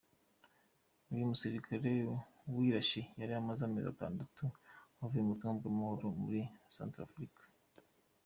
Uyu musirikare wirashe yari amaze amezi atandatu avuye mu butumwa bw’amahoro muri Santrafrika.